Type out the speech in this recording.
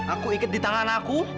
aku ikut di tangan aku